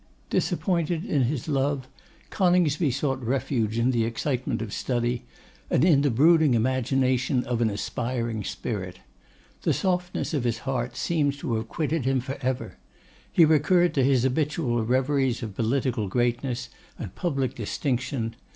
Disappointed in his love, Coningsby sought refuge in the excitement of study, and in the brooding imagination of an aspiring spirit. The softness of his heart seemed to have quitted him for ever. He recurred to his habitual reveries of political greatness and public distinction.